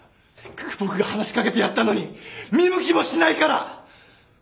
せっかく僕が話しかけてやったのに見向きもしないから！